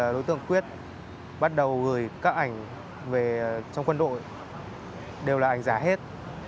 đối tượng quyết bắt đầu gửi các ảnh về trong quân đội đều là ảnh giả hết